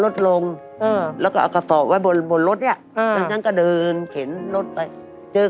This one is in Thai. ถูกปืนร้องอี๊ดเลยไปไหน